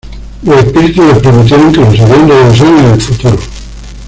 Los espíritus les prometieron que los harían regresar en el futuro.